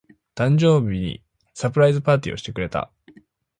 誕生日にサプライズパーティーをしてくれた。